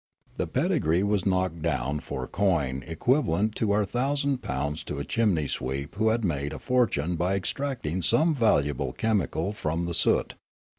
The pedigree was knocked down for coin equivalent to our thousand pounds to a chimney sweep who had made a fortune by extracting some valuable chemical from the soot.